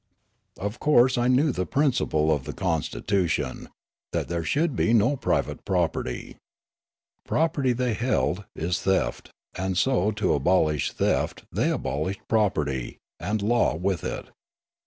Of course I knew the principle of the constitution — that there should be no private property. Property, they held, is theft ; and so to abolish theft they abol ished property, and law with it.